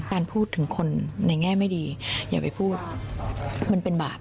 การพูดถึงคนในแง่ไม่ดีอย่าไปพูดมันเป็นบาป